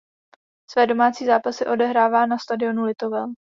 Své domácí zápasy odehrává na stadionu Litovel.